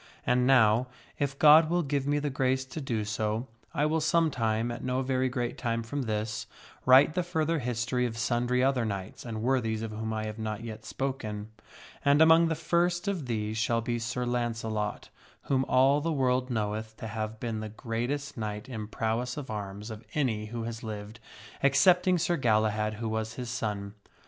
And now, if God will give me the grace to do so, I will some time, at no very great time from this, write the further history of sundry other knights and worthies of whom I have not yet spoken. And among the first of these shall be Sir Launcelot, whom all the world knoweth to have been the greatest knight in prowess of arms of any who has lived, excepting Sir Galahad, who was his son.